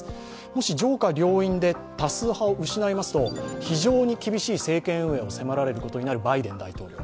もし上下両院で多数派を失いますと非常に厳しい政権運営を迫られることになるバイデン大統領。